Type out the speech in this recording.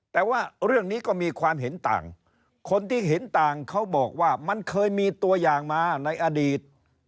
แต่ว่าเรื่องนี้ก็มีความเห็นต่างคนที่เห็นต่างเขาบอกว่ามันเคยมีตัวอย่างมาในอดีต